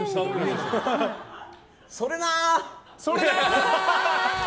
それな！